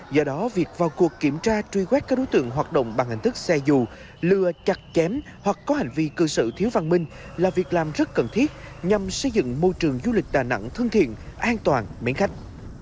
do đó việc vào cuộc kiểm tra truy quét các đối tượng hoạt động bằng hình thức xe dù lừa chặt chém hoặc có hành vi cư sự thiếu văn minh là việc làm rất cần thiết nhằm xây dựng môi trường du lịch đà nẵng thân thiện an toàn mến khách